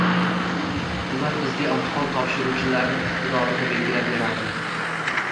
Ular bizga imtihon topshiruvchilarning iqtidorini belgilab berar edi.